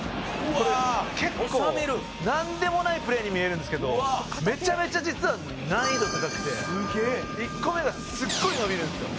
「これ結構なんでもないプレーに見えるんですけどめちゃめちゃ実は難易度高くて」「すげえ」「１個目がすごい伸びるんですよ」